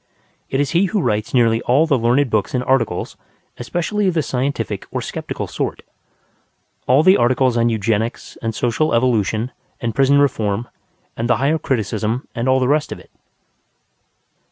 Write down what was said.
It is he who writes nearly all the learned books and articles, especially of the scientific or skeptical sort; all the articles on Eugenics and Social Evolution and Prison Reform and the Higher Criticism and all the rest of it.